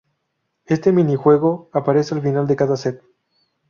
Este minijuego aparece al final de cada set.